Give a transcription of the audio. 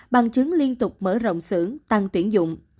bằng chứng liên tục mở rộng xưởng tăng tuyển dụng